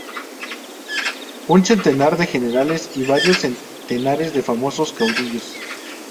Un centenar de generales y varios centenares de famosos caudillos.